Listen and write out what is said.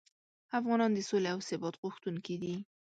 افغانان د سولې او ثبات غوښتونکي دي.